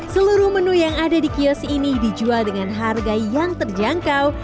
seluruh menu yang ada di kios ini dijual dengan harga yang terjangkau